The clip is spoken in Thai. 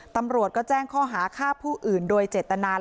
ตำรวจก็แจ้งข้อหาฆ่าผู้อื่นโดยเจตนา